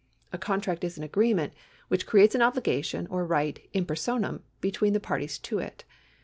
A contract is an agreement which creates an obligation or right in 'personam between the parties to it.